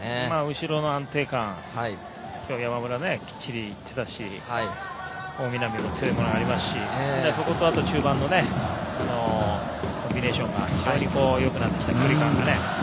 後ろの安定感山村もきっちりいっていたし大南も強いものがありますし中盤のコンビネーションが非常によくなってきて距離感がね。